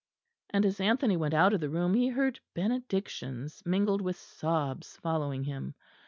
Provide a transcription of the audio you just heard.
And as Anthony went out of the room he heard benedictions mingled with sobs following him.